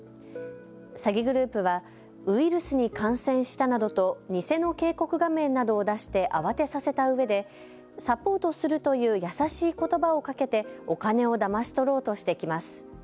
詐欺グループはウイルスに感染したなどと偽の警告画面などを出して慌てさせたうえで、サポートするという優しいことばをかけてお金をだまし取ろうとしてきます。